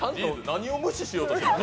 何を無視しようとしてるの。